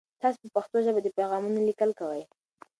تاسو په پښتو ژبه د پیغامونو لیکل کوئ؟